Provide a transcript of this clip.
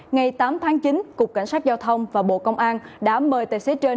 ngày tám tháng chín cục cảnh sát giao thông và bộ công an đã mời tài xế trên